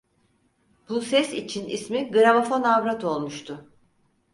Bu ses için ismi Gramofon Avrat olmuştu.